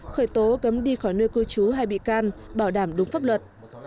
khởi tố gấm đi khỏi nơi cư trú hay bị can bảo đảm đúng pháp luật